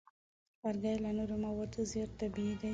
لرګی له نورو موادو زیات طبیعي دی.